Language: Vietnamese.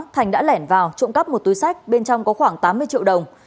thành đã lẻn vào trộm cắp một túi sách bên trong có khoảng tám mươi triệu đồng